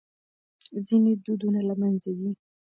ځينې دودونه له منځه ځي.